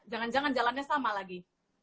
jangan jangan jalannya sama lagi